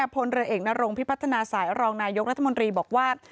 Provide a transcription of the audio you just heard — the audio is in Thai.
พลเรือเอกนรงพิพัฒนาสายรองนายกรัฐมนตรีบอกว่า